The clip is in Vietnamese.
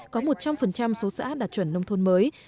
có một trăm linh số xã đạt chuẩn nông thôn mới